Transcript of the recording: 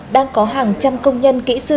đang có hàng trăm công nhân kỹ sư